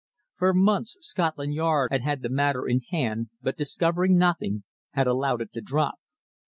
For months Scotland Yard had had the matter in hand, but discovering nothing, had allowed it to drop.